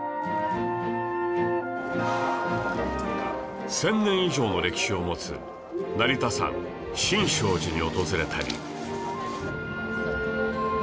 １０００年以上の歴史を持つ成田山新勝寺に訪れたり